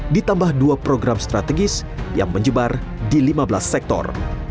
ditambah dua program strategis yang menyebar di lima belas sektor